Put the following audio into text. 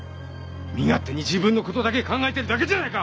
身勝手に自分のことだけ考えてるだけじゃないか！